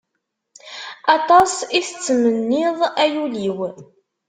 Aṭas i tettmenniḍ, ay ul-iw!